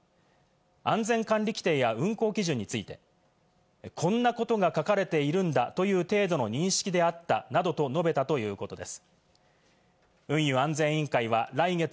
安全管理規程や運航基準について、こんなことが書かれているんだという程度の認識であったなどと述べたということです。